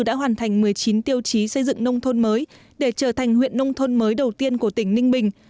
đã hoàn thành một mươi chín tiêu chí xây dựng nông thôn mới để trở thành huyện nông thôn mới đầu tiên của tỉnh ninh bình